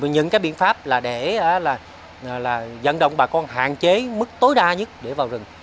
những cái biện pháp là để dẫn động bà con hạn chế mức tối đa nhất để vào rừng